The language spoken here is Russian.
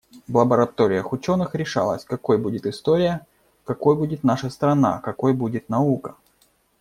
В лабораториях ученых решалось, какой будет история, какой будет наша страна, какой будет наука.